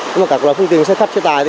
nhưng các loại phương tiện xe khách xe tài